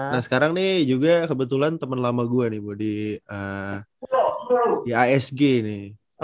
nah sekarang nih juga kebetulan teman lama gue nih bu di asg ini